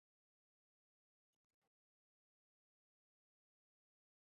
Konfusio Iran pia Uajemi kutokana na Kiarabu اalajam ni nchi ya